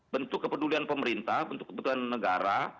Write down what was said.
bentuk kepedulian pemerintah bentuk kebutuhan negara